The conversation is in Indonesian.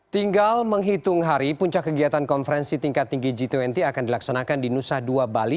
tinggal menghitung hari puncak kegiatan konferensi tingkat tinggi g dua puluh akan dilaksanakan di nusa dua bali